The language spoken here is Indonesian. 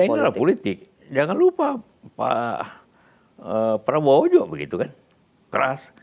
ya ini adalah politik jangan lupa pak prabowojo begitu kan keras